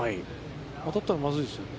当たったらまずいですよね。